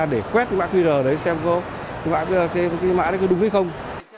để quét cái mã qr đấy xem có cái mã đó đúng hay không